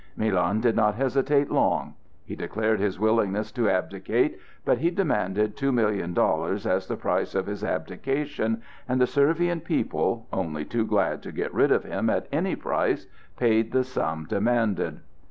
Milan did not hesitate long. He declared his willingness to abdicate, but he demanded two million dollars as the price of this abdication, and the Servian people, only too glad to get rid of him at any price, paid the sum demanded.